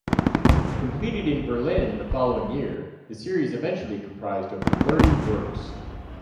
Completed in Berlin the following year, the series eventually comprised over thirty works.